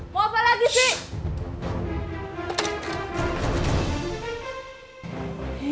mau apa lagi sih